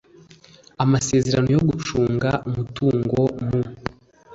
amasezerano yo gucunga umutungo mu